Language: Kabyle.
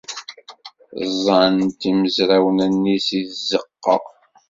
Ẓẓɛent imezrawen-nni seg tzeɣɣa.